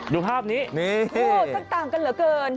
อยู่ภาพนี้ต่างกันเหรอเกิน